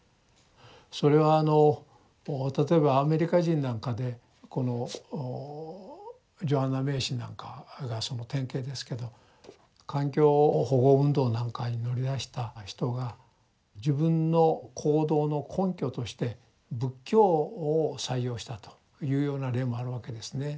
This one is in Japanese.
それはあの例えばアメリカ人なんかでこのジョアンナ・メイシーなんかがその典型ですけど環境保護運動なんかに乗り出した人が自分の行動の根拠として仏教を採用したというような例もあるわけですね。